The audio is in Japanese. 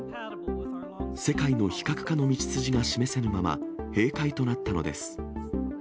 世界の非核化の道筋が示せぬまま、閉会となったのです。